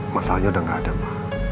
masalahnya udah gak ada ma